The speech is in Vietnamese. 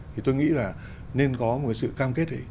thì tôi nghĩ là nên có một cái sự cam kết đấy